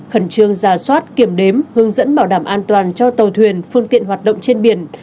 khẩn trương giả soát kiểm đếm hướng dẫn bảo đảm an toàn cho tàu thuyền phương tiện hoạt động trên biển